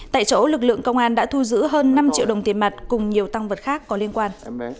tại chỗ lực lượng công an đã thu giữ hơn năm triệu đồng tiền mặt cùng nhiều tăng vật khác có liên quan